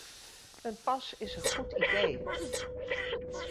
Een pas is een goed idee.